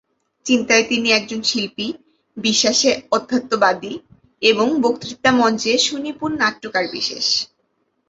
চিন্তায় তিনি একজন শিল্পী, বিশ্বাসে অধ্যাত্মবাদী এবং বক্তৃতামঞ্চে সুনিপুণ নাট্যকার বিশেষ।